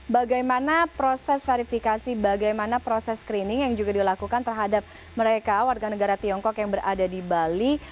bagaimana proses verifikasi bagaimana proses screening yang juga dilakukan terhadap mereka warga negara tiongkok yang berada di bali